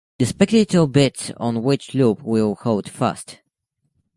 The spectator bets on which loop will hold Fast.